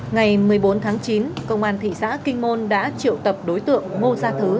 ngày một mươi bốn tháng chín công an thị xã kinh môn đã triệu tập đối tượng ngô gia thứ